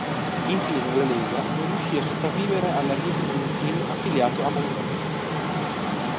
Infine la lega non riuscì a sopravvivere all'arrivo di un team affiliato a Montgomery.